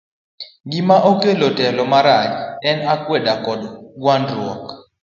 Gima kelo telo marach en akwede koda gwandruok.